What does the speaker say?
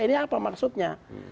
ini apa maksudnya